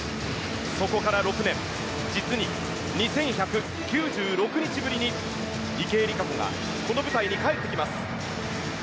そこから６年実に２１９６日ぶりに池江璃花子がこの舞台に帰ってきます。